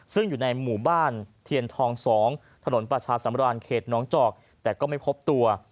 ซึ่งอยู่ในหมู่บ้านเทียนทอง๒ถนนประชาสำราญเขตน้องจอกแต่ก็ไม่พบตัว